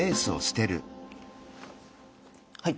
はい。